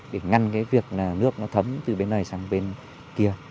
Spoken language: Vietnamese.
để ngăn việc nước thấm từ bên này sang bên kia